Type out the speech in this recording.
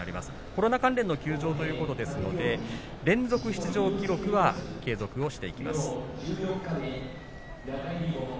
コロナ関連での休場ということなので連続出場記録は継続していきます。